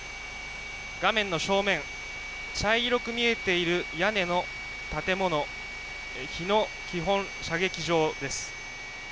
画面の正面、茶色く見えている屋根の建物、日野基本射撃場です。